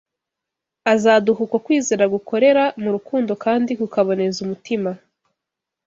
azaduha uko kwizera gukorera mu rukundo kandi kukaboneza umutima